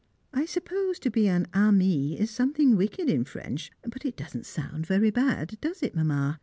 I suppose to be an amie is something wicked in French, but it doesn't sound very bad, does it, Mamma?